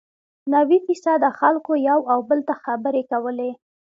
نوي فیصده خلکو یو او بل ته خبرې کولې.